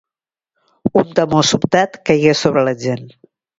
Un temor sobtat caigué sobre la gent.